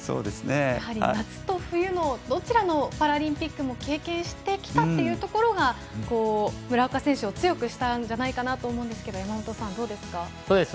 夏と冬のどちらのパラリンピックも経験してきたというところが村岡選手を強くしたんじゃないかなと思うんですが山本さん、どうですか？